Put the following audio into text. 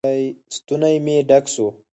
ستونى مې ډک سو.